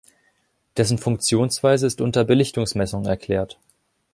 Dessen Funktionsweise ist unter Belichtungsmessung erklärt.